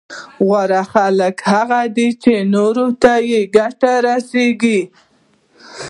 غوره خلک هغه دي چي نورو ته يې ګټه رسېږي